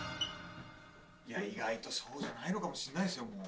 いや意外とそうじゃないのかもしれないですよもう。